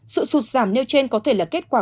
sự sụt giảm nêu trên có thể là kết quả